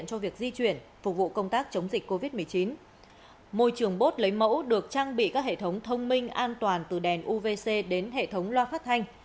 môi trường bốt lấy mẫu được trang bị các hệ thống thông minh an toàn từ đèn uvc đến hệ thống loa phát thanh